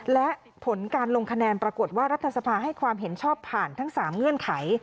และผลการลงคะแนนปรากฏว่ารัฐสภาให้ความเห็นชอบผ่านทั้ง๓เงื่อนไข